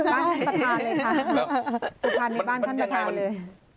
สุภัณฑ์ในบ้านท่านประธานเลย